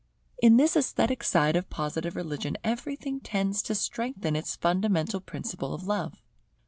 In this esthetic side of Positive religion everything tends to strengthen its fundamental principle of Love.